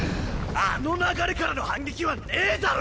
あの流れからの反撃はねぇだろ！